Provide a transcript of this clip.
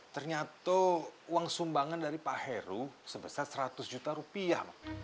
ternyata uang sumbangan dari pak heru sebesar seratus juta rupiah